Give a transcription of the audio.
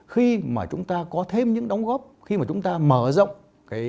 khi mà chúng ta có thêm những đóng góp khi mà chúng ta mở rộng cái sự tham gia của mình